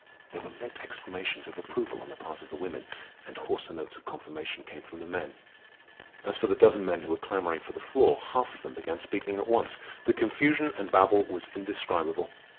There were lip exclamations of approval on the part of the women, and hoarser notes of confirmation came from the men. As for the dozen men who were clamoring for the floor, half of them began speaking at once. The confusion and babel was indescribable.